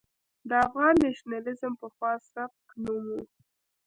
د افغان نېشنلېزم پخوا سپک نوم و.